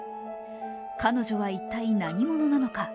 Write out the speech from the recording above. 彼女は一体何者なのか。